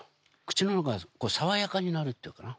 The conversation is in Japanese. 口の中が爽やかになるっていうのかな。